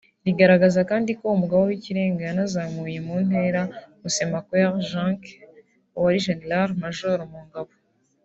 rigaragaza kandi ko Umugaba w’Ikirenga yanazamuye mu ntera Musemakweli jacques wari Gen Maj mu ngabo